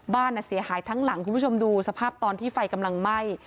บ้านเสียหายทั้งหลังคุณผู้ชมดูสภาพตอนที่ไฟกำลังไหม้